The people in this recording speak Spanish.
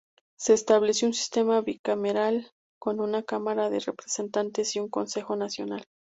Se estableció un sistema bicameral, con una Cámara de Representantes y un Consejo Nacional.